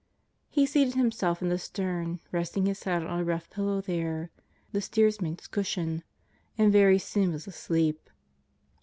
He seated Himself in the stern, resting His head on a rough pillow there, the steers man's cushion, and very soon was asleep.